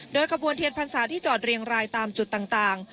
โดยขบวนเทียนพรรษาที่จอดเรียงรายตามจุดต่าง